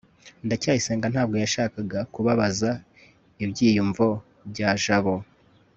ndacyayisenga ntabwo yashakaga kubabaza ibyiyumvo bya jabo